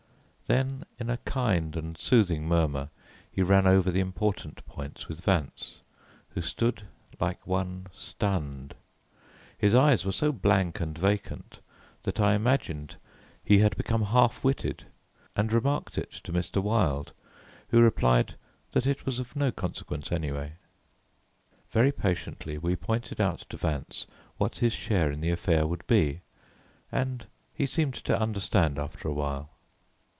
Then in a kind and soothing murmur he ran over the important points with Vance, who stood like one stunned. His eyes were so blank and vacant that I imagined he had become half witted, and remarked it to Mr. Wilde who replied that it was of no consequence anyway. Very patiently we pointed out to Vance what his share in the affair would be, and he seemed to understand after a while.